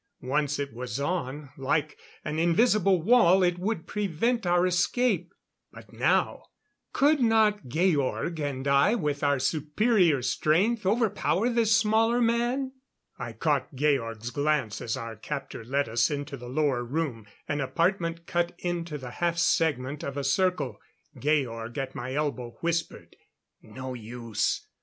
Once it was on, like an invisible wall it would prevent our escape. But now could not Georg and I with our superior strength overpower this smaller man? I caught Georg's glance as our captor led us into the lower room an apartment cut into the half segment of a circle. Georg, at my elbow, whispered: "No use!